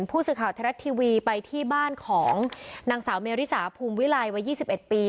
ผู้สื่อข่าวไทยรัฐทีวีไปที่บ้านของนางสาวเมริสาภูมิวิลัยวัย๒๑ปี